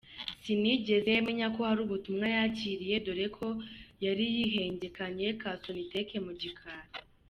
" Sinigeze menya ko hari ubutumwa yakiriye dore ko yari yihengekanye ka Sonitec mu gikari.